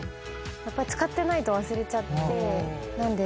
やっぱり使ってないと忘れちゃって。